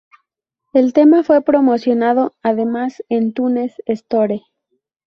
El tema fue promocionado además en iTunes Store.